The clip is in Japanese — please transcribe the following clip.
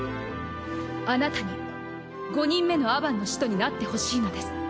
あなたに５人目のアバンの使徒になってほしいのです。